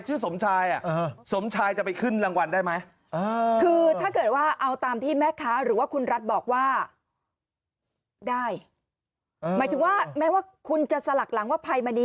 ชื่อสมชายอ่ะอ่าสมชายจะไปขึ้นรางวัลได้ไหมอ่าคือถ้าเกิดว่า